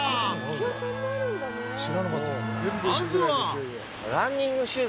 ［まずは］